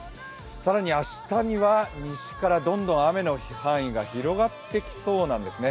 更に明日には西からどんどん雨の範囲が広がってきそうなんですね。